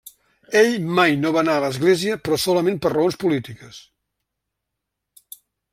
Ell mai no va anar a l'església, però solament per raons polítiques.